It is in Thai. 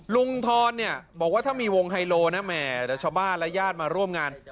ทรเนี่ยบอกว่าถ้ามีวงไฮโลนะแหมเดี๋ยวชาวบ้านและญาติมาร่วมงาน